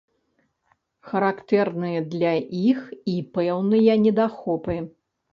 Характэрныя для іх і пэўныя недахопы.